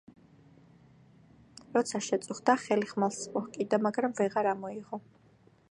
როცა შეწუხდა, ხელი ხმალს მოჰკიდა, მაგრამ ვეღარ ამოიღო